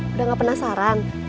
udah nggak penasaran